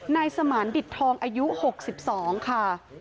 นายสมานดิตทองอายุ๖๒ค่ะ